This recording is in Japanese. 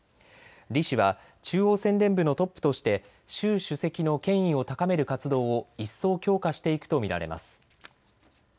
李氏は中央宣伝部のトップとして習主席の権威を高める活動を一層強化していくと見られます。